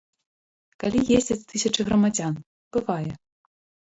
Калі ездзяць тысячы грамадзян, бывае.